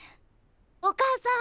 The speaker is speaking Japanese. お母さん！